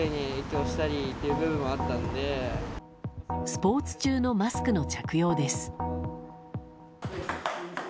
スポーツ中のマスクの着用です。